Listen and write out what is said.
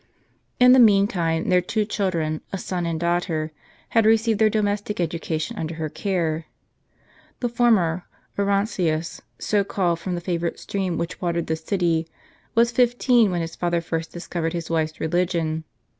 In the meantime their two children, a son and daugh ter, had received their domestic education under her care. The former, Orontius, so called from the favorite stream which watered the city, was fifteen when his father first discovered his wife's religion.